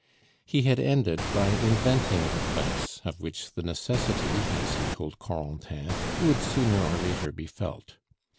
He had ended by inventing a place, of which the necessity, as he told Corentin, would sooner or later be felt.